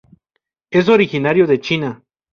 Es originario de China.